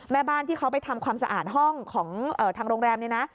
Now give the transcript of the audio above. แม่บ้านที่เขาไปทำความสะอาดห้องของทางโรงแรมเนี่ยนะ